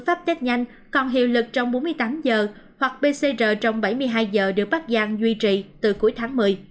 pháp tết nhanh còn hiệu lực trong bốn mươi tám giờ hoặc pcr trong bảy mươi hai giờ được bắc giang duy trì từ cuối tháng một mươi